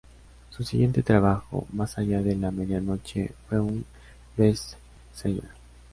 Su siguiente trabajo, "Más allá de la medianoche", fue un bestseller.